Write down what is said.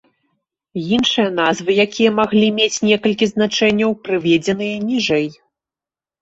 Іншыя назвы, якія маглі мець некалькі значэнняў, прыведзеныя ніжэй.